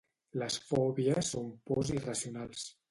Les fòbies són pors irracionals